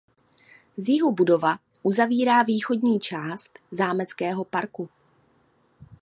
Z jihu budova uzavírá východní část zámeckého parku.